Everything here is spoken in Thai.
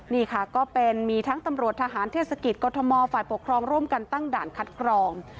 นี่ค่ะก็เป็นมีทั้งตำรวจทหารเทศกิจกรทมฝ่ายปกครองร่วมกันตั้งด่านคัดกรอง